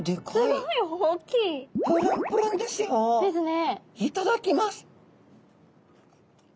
いただきます。